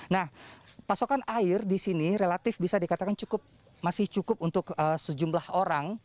nah pasokan air di sini relatif bisa dikatakan cukup masih cukup untuk sejumlah orang